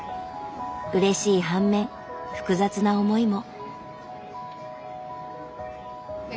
うれしい半面複雑な思いも。